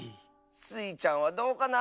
スイちゃんはどうかな？